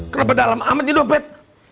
kenapa dalam amat ini dong pet